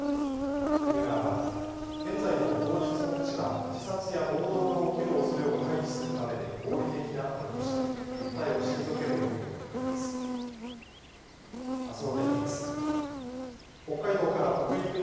国側は現在の当日告知は自殺や暴動が起きるおそれを回避するためで合理的だなどとし訴えを退けるよう求めています。